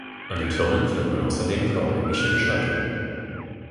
An den Türmen findet man außerdem karolingische Gestaltungen.